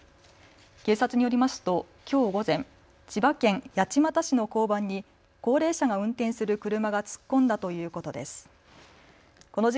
警察によりますときょう午前、千葉県八街市の交番に高齢者が運転する車が突っ込んだということです。